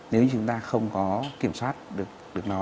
nếu như chúng ta không có kiểm soát được nó